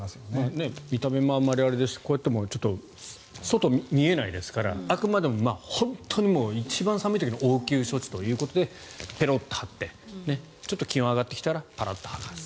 見た目もあれですしこうやっても外、見えないですからあくまでも本当に一番寒い時の応急処置ということで、ペロッと張ってちょっと気温が上がってきたら剥がす。